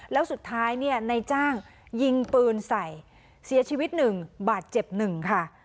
แล้วสุดท้ายเนี่ยนายจ้างยิงปืนใส่เสียชีวิตหนึ่งบาดเจ็บหนึ่งค่ะ